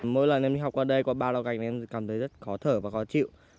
mỗi lần em học qua đây có ba lo gạch này em cảm thấy rất khó thở và khó chịu